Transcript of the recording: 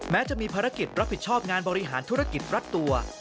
จะมีภารกิจรับผิดชอบงานบริหารธุรกิจรัดตัว